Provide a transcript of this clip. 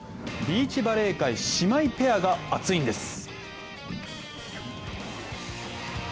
ビーチバレー界姉妹ペアが熱いんです。